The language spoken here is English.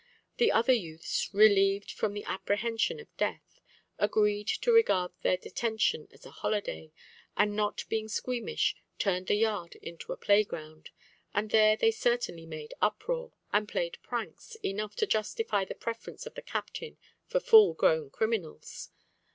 The other youths, relieved from the apprehension of death, agreed to regard their detention as a holiday, and not being squeamish, turned the yard into a playground, and there they certainly made uproar, and played pranks, enough to justify the preference of the captain for full grown criminals.